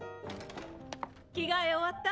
着替え終わった？